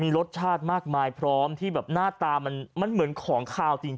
รสชาติมากมายพร้อมที่แบบหน้าตามันเหมือนของขาวจริง